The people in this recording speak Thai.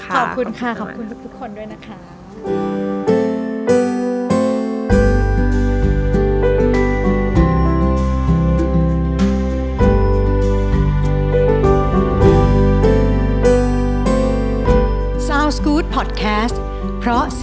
ขอบคุณค่ะขอบคุณทุกคนด้วยนะคะ